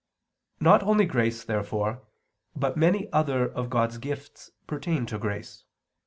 Not only grace, therefore, but many other of God's gifts pertain to grace.